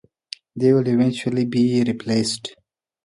They will eventually be replaced.